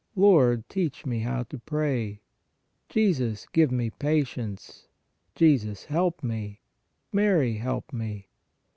Lord, teach me how to pray. Jesus, give me patience. Jesus, help me. Mary, help me.